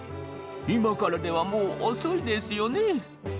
今からではもう遅いですよね？